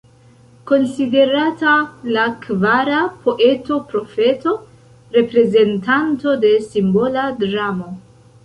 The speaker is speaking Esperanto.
Konsiderata la kvara poeto-profeto, reprezentanto de simbola dramo.